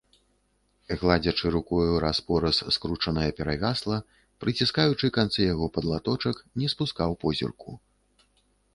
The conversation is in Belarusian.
Гладзячы рукою раз-пораз скручанае перавясла, прыціскаючы канцы яго пад латачок, не спускаў позірку.